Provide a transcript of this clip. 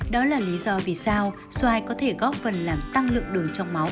đó là lý do vì sao xoài có thể góp phần làm tăng lượng đường trong máu